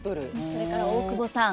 それから大久保さん